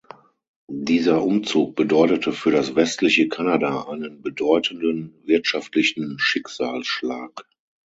Dieser Umzug bedeutete für das westliche Kanada einen bedeutenden wirtschaftlichen Schicksalsschlag.